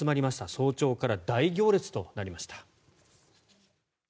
早朝から大行列となりました。